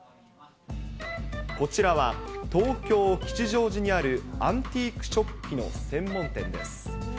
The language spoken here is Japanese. こちらは、東京・吉祥寺にあるアンティーク食器の専門店です。